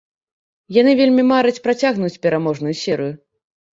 Яны вельмі мараць працягнуць пераможную серыю.